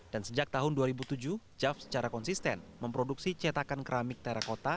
sejak tahun dua ribu tujuh jav secara konsisten memproduksi cetakan keramik terakota